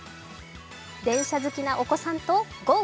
電車好きなお子さんとゴー！